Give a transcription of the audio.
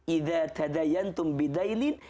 iza tadayantum bidainin